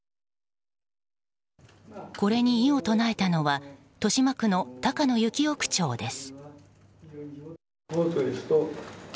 これに異を唱えたのは豊島区の高野之夫区長です。